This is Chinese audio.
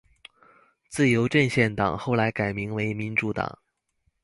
自由阵线党后来改名为民主党。